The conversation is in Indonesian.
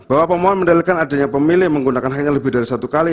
bahwa pemohon mendalilkan adanya pemilih menggunakan hanya lebih dari satu kali